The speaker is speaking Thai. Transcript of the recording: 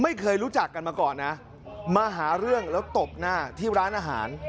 ไม่เคยรู้จักกันมาก่อนนะมาหาเรื่องแล้วตบหน้าที่ร้านอาหาร